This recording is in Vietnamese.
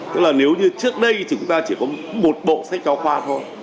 tức là nếu như trước đây chúng ta chỉ có một bộ sách giáo khoa thôi